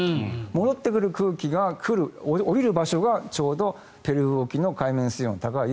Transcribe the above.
戻ってくる空気が来る降りる場所がちょうどペルー沖の海面水温が高い